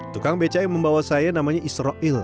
tukang beca yang membawa saya namanya israel